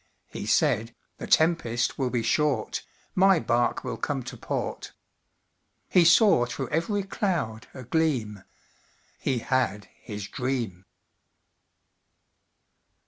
He said, "The tempest will be short, My bark will come to port." He saw through every cloud a gleam He had his dream.